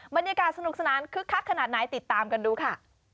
บรรยากาศสนุกสนานคึกคักขนาดไหนติดตามกันดูค่ะ